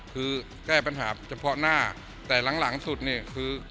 คือแก้ปัญหาเฉพาะหน้าแต่หลังสุดเนี่ยคือ